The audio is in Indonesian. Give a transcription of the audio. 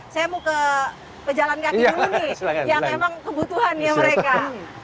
saya mau ke pejalan kaki dulu nih yang memang kebutuhannya mereka